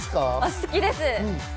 好きです。